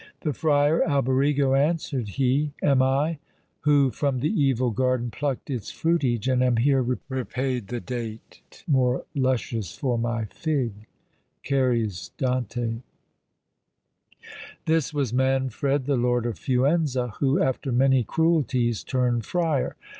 "The friar Alberigo," answered he, "Am I, who from the evil garden pluck'd Its fruitage, and am here repaid the date More luscious for my fig." CARY'S Dante. This was Manfred, the Lord of Fuenza, who, after many cruelties, turned friar.